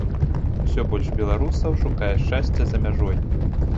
Усё больш беларусаў шукае шчасця за мяжой.